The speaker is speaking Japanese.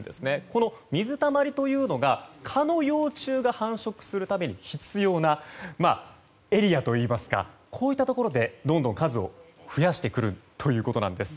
この水たまりというのが蚊の幼虫が繁殖するために必要なエリアといいますかこういったところで、どんどん数を増やしてくるということです。